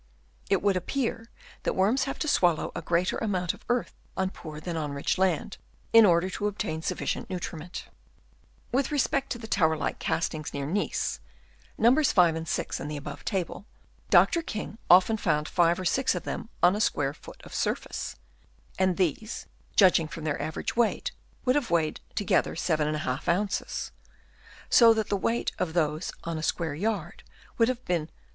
It would appear that worms have to swallow a greater amount of earth on poor than on rich land, in order to obtain sufficient nutrimenl;. With respect to the tower like castings near Nice (Nos. 5 and 6 in the above table), Dr. King often found five or six of them on a square foot of surface ; and these, judging from their average weight, would have weighed together 7^ ounces ; so that the weight of those on a square yard would have been 41b.